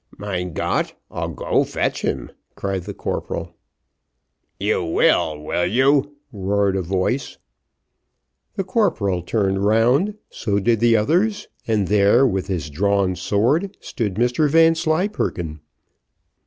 "Mein Gott! I'll go fetch him," cried the corporal. "You will will you?" roared a voice. The corporal turned round, so did the others, and there, with his drawn sword, stood Mr Vanslyperken.